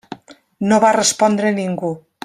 No va respondre ningú.